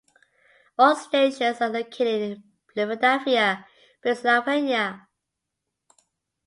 All stations are located in Philadelphia, Pennsylvania.